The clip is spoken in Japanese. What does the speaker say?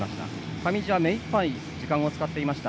上地は目いっぱい時間を使っていました。